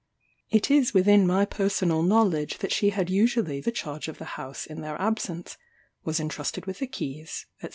It is within my personal knowledge that she had usually the charge of the house in their absence, was entrusted with the keys, &c.